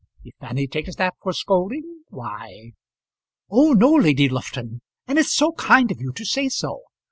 If Fanny takes that for scolding, why " "Oh! no, Lady Lufton; and it's so kind of you to say so.